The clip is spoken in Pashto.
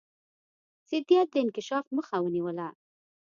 ضدیت د انکشاف مخه ونیوله.